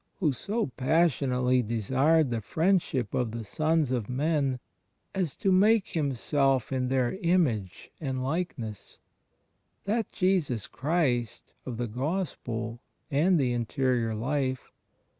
Who so passionately desired the friendship of the sons of men as to make Himself in their image and likeness — that Jesus Christ, of the Gospel and the inner life.